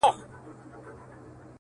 ميسج.